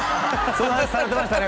その話されてましたね